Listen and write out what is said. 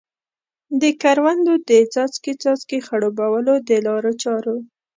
د کروندو د څاڅکې څاڅکي خړوبولو د لارو چارو.